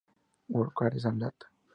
Who Cares A Lot?